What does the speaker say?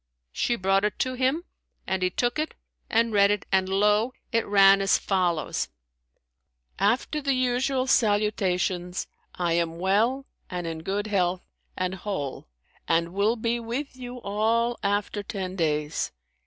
She brought it to him, and he took it and read it; and lo! it ran as follows, "After the usual salutations, I am well and in good health and whole and will be with you all after ten days.